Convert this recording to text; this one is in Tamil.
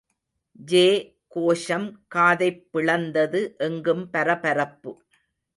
ஜே கோஷம் காதைப் பிளந்தது எங்கும் பரபரப்பு.